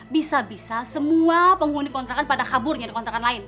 bisa bisa semua penghuni kontrakan pada kaburnya ada kontrakan lain